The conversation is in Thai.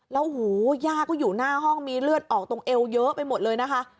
แล้วโอ้โหย่าก็อยู่หน้าห้องมีเลือดออกตรงเอวเยอะไปหมดเลยนะคะ